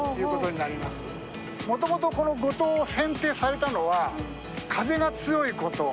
もともとこの五島を選定されたのは風が強いこと。